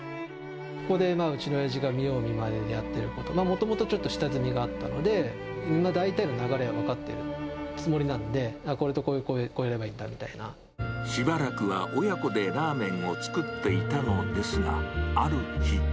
ここでうちのおやじが見よう見まねでやっていること、もともとちょっと下積みがあったので、大体の流れは分かってるつもりなので、これとこれをこうやればいしばらくは親子でラーメンを作っていたのですが、ある日。